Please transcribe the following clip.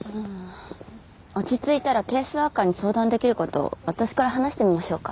落ち着いたらケースワーカーに相談できる事私から話してみましょうか。